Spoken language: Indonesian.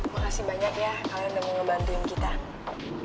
makasih banyak ya kalian udah mau ngebantuin kita